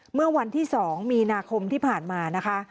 เมื่อวันที่๒มีนาคมที่ผ่านมานะคะ